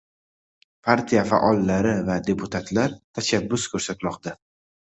Partiya faollari va deputatlar tashabbus ko‘rsatmoqda